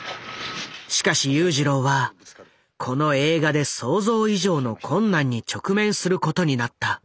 しかし裕次郎はこの映画で想像以上の困難に直面することになった。